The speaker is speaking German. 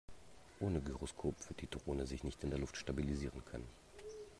Ohne Gyroskop wird die Drohne sich nicht in der Luft stabilisieren können.